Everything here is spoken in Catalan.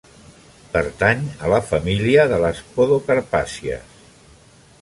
Pertany a la família de les podocarpàcies.